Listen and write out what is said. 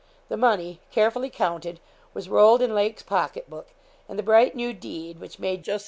The money, carefully counted, was rolled in Lake's pocket book, and the bright new deed which made Jos.